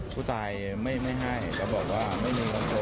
ผู้ตายไม่ให้ก็บอกว่าไม่มีการโทษ